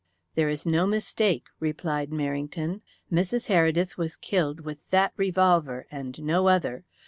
"There is no mistake," replied Merrington. "Mrs. Heredith was killed with that revolver, and no other.